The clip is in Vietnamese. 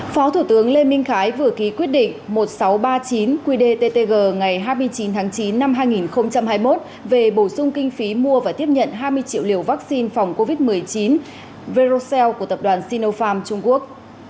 phó thủ tướng lê minh khái vừa ký quyết định một nghìn sáu trăm ba mươi chín qdttg ngày hai mươi chín tháng chín năm hai nghìn hai mươi một về bổ sung kinh phí mua và tiếp nhận hai mươi triệu liều vaccine phòng covid một mươi chín verocell của tập đoàn sinopharm trung quốc